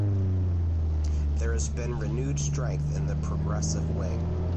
There has been renewed strength in the progressive wing.